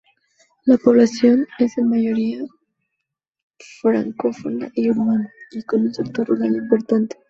La población es en mayoría francófona y urbana, con un sector rural importante.